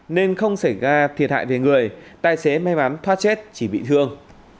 nên không xảy ra thiệt hại về người tài xế may mắn thoát chết chỉ bị thương